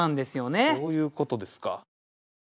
そういうことですか。